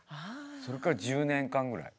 それから１０年間ぐらい。